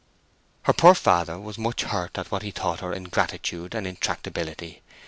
Her poor father was much hurt at what he thought her ingratitude and intractability.